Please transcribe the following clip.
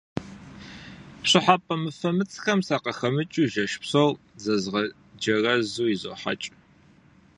Пщӏыхьэпӏэ мыфэмыцхэм сакъыхэмыкӏыу жэщ псор зызгъэджэрэзу изохьэкӏ.